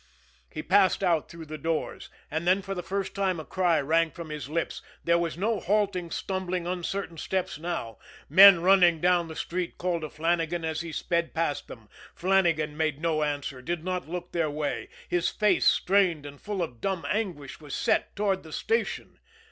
He passed out through the doors, and then for the first time a cry rang from his lips. There were no halting, stumbling, uncertain steps now. Men running down the street called to Flannagan as he sped past them. Flannagan made no answer, did not look their way; his face, strained and full of dumb anguish, was set toward the station.